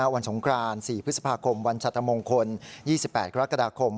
สงคราน๔พฤษภาคมวันชัตมงคล๒๘กรกฎาคม